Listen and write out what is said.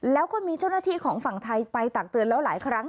แล้วก็มีเจ้าหน้าที่ของฝั่งไทยไปตักเตือนแล้วหลายครั้ง